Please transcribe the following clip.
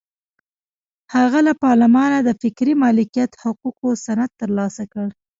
هغه له پارلمانه د فکري مالکیت حقوقو سند ترلاسه کړ.